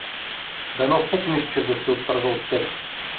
Дано пукнеш, че да се отърва от тебе!